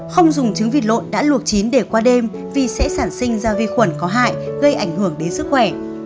không dùng trứng vịt lộn đã luộc chín để qua đêm vì sẽ sản sinh ra vi khuẩn có hại gây ảnh hưởng đến sức khỏe